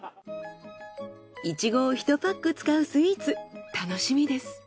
イチゴを１パック使うスイーツ楽しみです。